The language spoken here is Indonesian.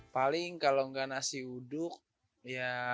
paling kalau nggak nasi uduk ya